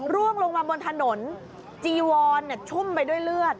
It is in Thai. ร่วงลงมาบนถนนจีวอนชุ่มไปด้วยเลือด